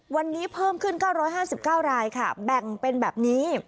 วันนี้เพิ่มขึ้น๙๕๙รายค่ะแบ่งเป็นแบบนี้